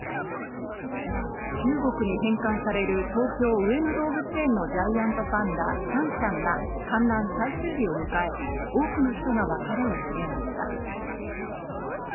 中国に返還される東京・上野動物園のジャイアントパンダ、シャンシャンが観覧最終日を迎え、多くの人が別れを告げました。